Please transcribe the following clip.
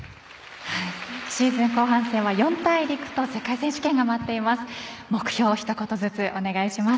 シーズン後半戦は四大陸と世界選手権が待っています。